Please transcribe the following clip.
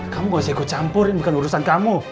kamu gak usah ikut campurin bukan urusan kamu